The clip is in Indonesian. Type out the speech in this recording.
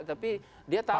tapi dia tahu